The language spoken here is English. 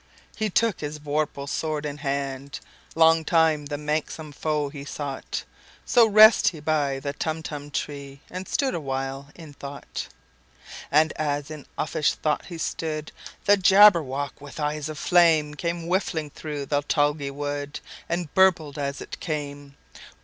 He took his vorpal sword in hand:Long time the manxome foe he sought—So rested he by the Tumtum tree, And stood awhile in thought. And as in uffish thought he stood, The Jabberwock, with eyes of flame, Came whiffling through the tulgey wood, And burbled as it came!